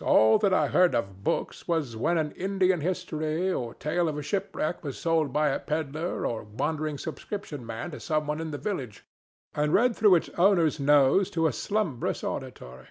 All that I heard of books was when an Indian history or tale of shipwreck was sold by a pedler or wandering subscription man to some one in the village, and read through its owner's nose to a slumbrous auditory.